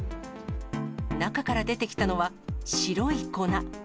中から出てきたのは白い粉。